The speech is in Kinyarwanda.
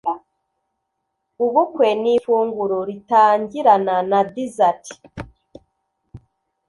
Ubukwe ni ifunguro ritangirana na desert.